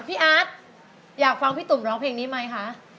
พี่อาร์ตอยากฟังพี่ตุ่มร้องเพลงนี้ไหมคะ